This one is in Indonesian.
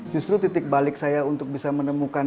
justru titik balik saya untuk bisa menemukan